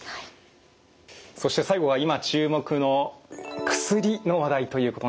そして最後は今注目の薬の話題ということなんですが。